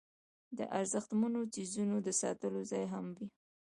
د ارزښتمنو څیزونو د ساتلو ځای هم و.